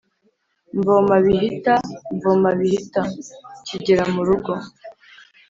“mvoma bihita, mvoma bihita!” kigera mu rugo